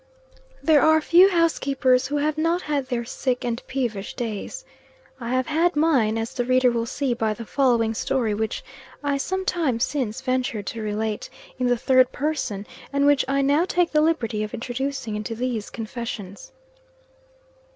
THERE are few housekeepers who have not had their sick and peevish days. I have had mine, as the reader will see by the following story, which I some time since ventured to relate, in the third person, and which I now take the liberty of introducing into these confessions.